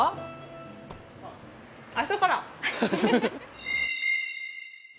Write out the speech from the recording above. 明日から。